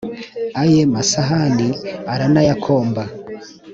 Aye masahani aranayakomba!